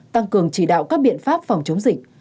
tăng cường chỉ đạo các biện pháp phòng chống dịch